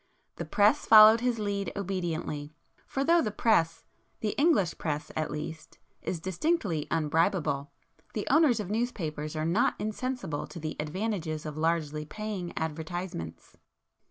The press followed his 'lead' obediently,—for though the press,—the English press at least,—is distinctly unbribable, the owners of newspapers are not insensible to the advantages of largely paying advertisements.